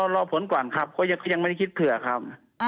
รอผลก่อนครับเพราะยังไม่คิดเผื่อครับ